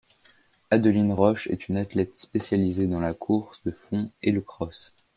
Adeline Roche est une athlète spécialisée dans la course de fond et le cross.